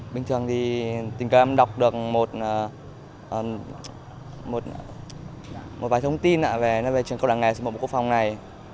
bình thường thì tình cảm em đọc được một vài thông tin về trường cao đẳng nghề số bộ quốc phòng này